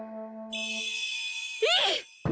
いい！